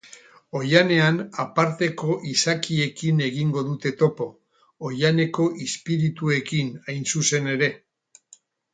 Oihanean aparteko izakiekin egingo dute topo, oihaneko izpirituekin, hain zuzen ere.